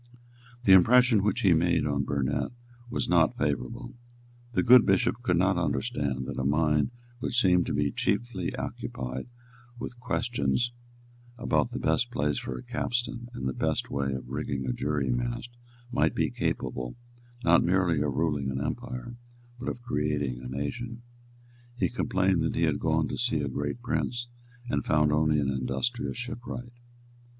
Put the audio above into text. The impression which he made on Burnet was not favourable. The good bishop could not understand that a mind which seemed to be chiefly occupied with questions about the best place for a capstan and the best way of rigging a jury mast might be capable, not merely of ruling an empire, but of creating a nation. He complained that he had gone to see a great prince, and had found only an industrious shipwright.